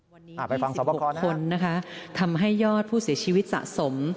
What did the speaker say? วันนี้๒๖คนทำให้ยอดผู้เสียชีวิตสะสม